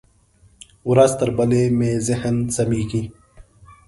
ورځ تر بلې مې ذهن سمېږي.